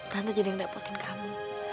tante jadi yang dapatin kamu